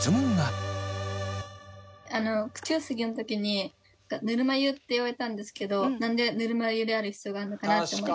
口ゆすぎの時にぬるま湯って言われたんですけど何でぬるま湯である必要があるのかなって思いました。